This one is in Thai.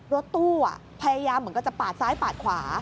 รถตู้พยายามเหมือนกันจะปาดซ้ายปาดขวา